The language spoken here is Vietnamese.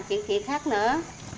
mình sẽ làm chuyện khác nữa